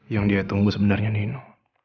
yang dia tunggu sebenernya nino